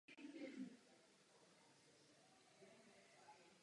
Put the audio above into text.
Dnes je tento způsob přípravy potravin oblíbený po celém Novém Zélandu.